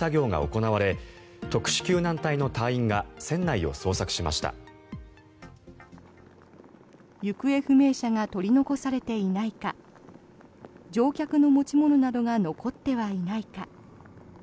行方不明者が取り残されていないか乗客の持ち物などが残ってはいないか。